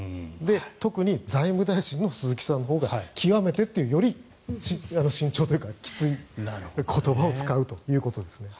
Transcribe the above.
特に財務大臣の鈴木さんのほうが極めてと、より慎重というかきつい言葉を使うということですね。